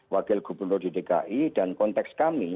wakil gubernur di dki dan konteks kami